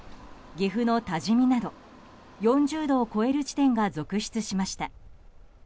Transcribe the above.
岐阜の多治見など４０度を超える地点が続出しました。